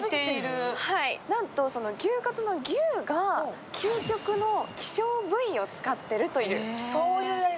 なんと、牛カツの牛が究極の希少部位を使っているという。